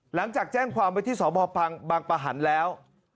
หลังจากแจ้งความวิทย์ส่อมบากประหันแล้ว